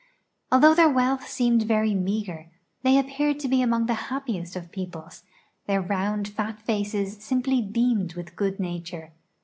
Although their wealth seemed very meager, they appeared to be among the ha})piest of i»eoi)les; their round, fat faces simply beamed with good nature.